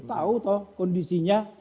tahu tuh kondisinya